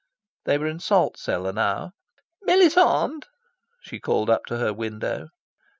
They were in Salt Cellar now. "Melisande!" she called up to her window.